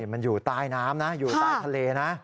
มันอยู่ใต้น้ำนะอยู่ใต้ทะเลนะ